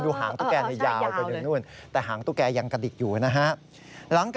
หางตุ๊กแกยาวไปถึงนู่นแต่หางตุ๊กแกยังกระดิกอยู่นะฮะ